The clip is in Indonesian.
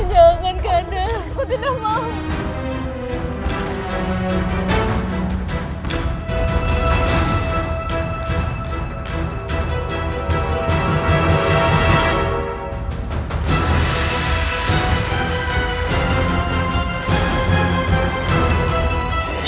jangan kandang kau tidak mau